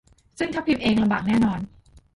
ซึ่งถ้าพิมพ์เอง ลำบากแน่นอน